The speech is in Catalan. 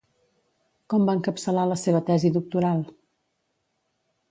Com va encapçalar la seva tesi doctoral?